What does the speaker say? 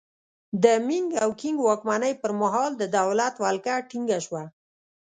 د مینګ او کینګ واکمنۍ پرمهال د دولت ولکه ټینګه شوه.